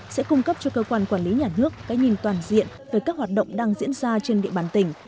sẽ cung cấp cho cơ quan quản lý nhà nước cái nhìn toàn diện về các hoạt động đang diễn ra trên địa bàn tỉnh